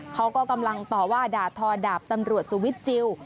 เขาก็กำลังต่อว่าด่าทอดาบตำรวจสุวิทย์จิล